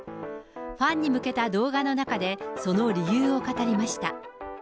ファンに向けた動画の中で、その理由を語りました。